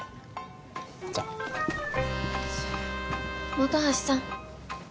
・本橋さん。